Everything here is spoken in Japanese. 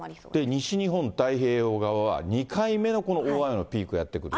西日本、太平洋側は、２回目のこの大雨のピークがやって来る。